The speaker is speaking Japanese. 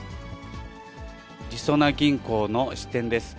りそな銀行の支店です。